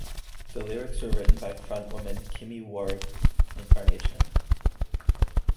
The lyrics were written by frontwoman Kimi Ward Encarnacion.